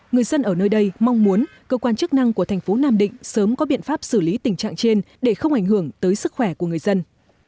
người dân ở nơi đây mong muốn cơ quan chức năng của thành phố nam định sớm có biện pháp xử lý tình trạng trên để không ảnh hưởng tới sức khỏe của người dân